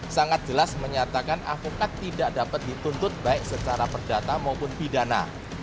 sangat jelas menyatakan avokat tidak dapat dituntut baik secara perdata maupun pidana